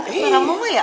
seram mama ya